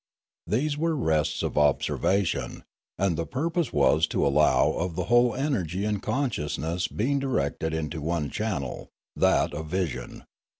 These were rests of observation, and the purpose was to allow of the whole energy and consciousness being directed into one channel, that of vision.